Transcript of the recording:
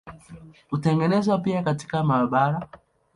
Hutengenezwa pia katika maabara.